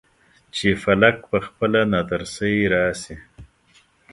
چې فلک پخپله ناترسۍ راشي.